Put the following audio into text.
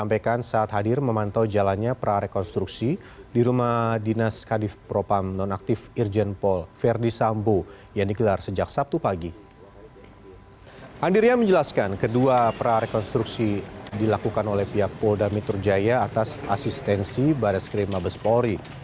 andirian menjelaskan kedua prarekonstruksi dilakukan oleh pihak polda mitur jaya atas asistensi barat skrim mabes polri